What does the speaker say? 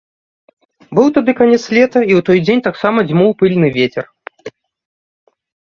Быў тады канец лета, і ў той дзень таксама дзьмуў пыльны вецер.